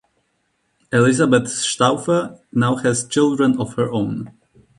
Elizabeth Stauffer now has children of her own.